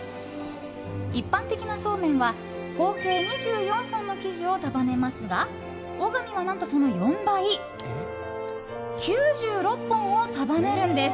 一般的なそうめんは合計２４本の生地を束ねますが小神は何と、その４倍９６本を束ねるんです！